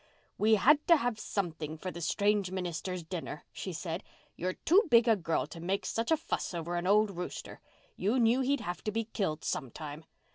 "We had to have something for the strange minister's dinner," she said. "You're too big a girl to make such a fuss over an old rooster. You knew he'd have to be killed sometime."